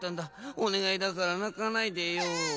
おねがいだからなかないでよ。